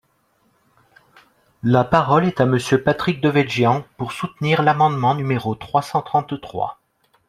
La parole est à Monsieur Patrick Devedjian, pour soutenir l’amendement numéro trois cent trente-trois.